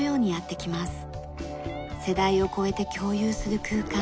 世代を超えて共有する空間